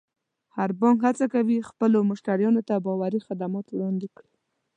هر بانک هڅه کوي خپلو مشتریانو ته باوري خدمات وړاندې کړي.